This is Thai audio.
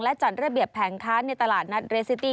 และจัดระเบียบแผงค้าในตลาดนัดเรซิตี้